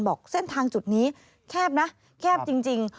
บอกเส้นทางจุดนี้แคบนะแคบจริง